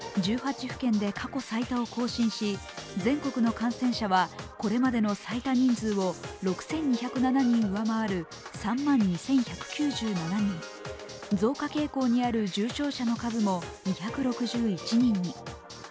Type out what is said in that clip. １８府県で過去最多を更新し、全国の感染者はこれまでの最多人数を６２０７人上回る３万２１９７人、増加傾向にある重症者の数も２６１人に。